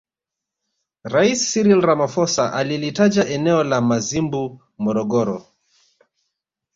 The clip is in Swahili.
Rais Cyril Ramaphosa alilitaja eneo la Mazimbu Morogoro